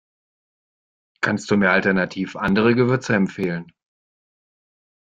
Kannst du mir alternativ andere Gewürze empfehlen?